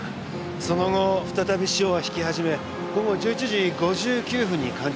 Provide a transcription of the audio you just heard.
その後再び潮が引き始め午後１１時５９分に干潮。